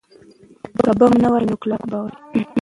که بم نه وای، نو کلک به وای.